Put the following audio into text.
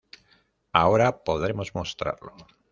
Ahora podremos mostrarlo.